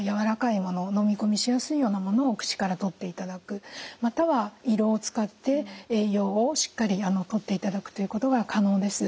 のみ込みしやすいようなものを口からとっていただくまたは胃ろうを使って栄養をしっかりとっていただくということが可能です。